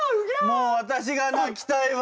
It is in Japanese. もう私が泣きたいわ。